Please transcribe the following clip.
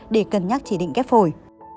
để cân nhắc chỉ định kết phổi